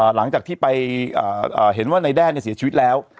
หลังจากที่ไปเห็นว่านายแด้เสียชีวิตแล้ว